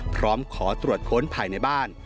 พร้อมขอตรวจค้นภายในบ้าน